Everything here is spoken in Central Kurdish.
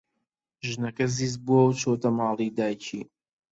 ژنەکە زیز بووە و چۆتەوە ماڵی دایکی.